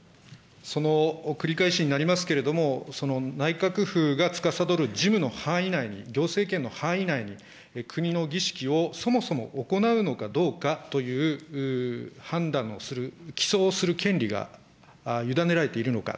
その繰り返しになりますけれども、内閣府がつかさどる事務の範囲内に、行政権の範囲内に、国の儀式をそもそも行うのかどうかという、判断をする、きそうする権利が委ねられているのか。